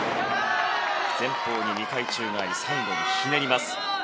前方２回宙返り最後にひねります。